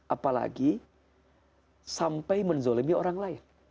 apalagi sampai menzolimi orang lain